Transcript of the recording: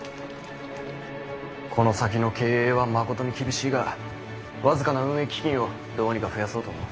この先の経営はまことに厳しいが僅かな運営基金をどうにか増やそうと思う。